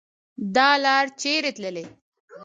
دا لار چیري تللي